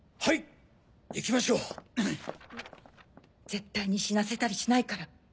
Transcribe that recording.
絶対に死なせたりしないから。